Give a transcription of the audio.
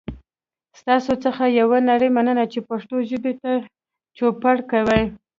ستاسو څخه یوه نړۍ مننه چې پښتو ژبې ته چوپړ کوئ.